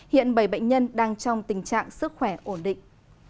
hiện bảy bệnh nhân đang trong tình trạng sức khỏe ổn định